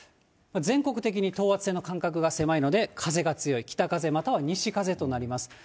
全国的に等圧線の間隔が狭いので、風が強い、北風または西風となります。